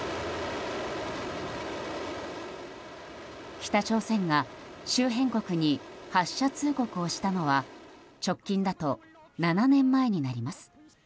北朝鮮が周辺国に発射通告をしたのは直近だと７年前になります。